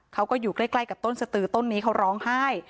เขาก็อยู่ใกล้กับต้นสตือต้นนี้เขาร้องไห้